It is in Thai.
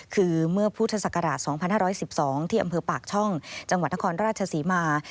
คือเมื่อพุทธศักราช๒๕๑๒ที่อำเภอปากช่องจังหวัดนครราชศรีมา